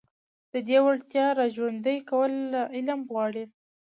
د دې وړتيا راژوندي کول علم غواړي.